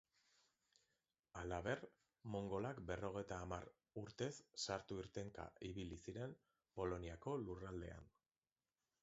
Halaber, mongolak berrogeita hamar urtez sartu-irtenka ibili ziren Poloniako lurraldean.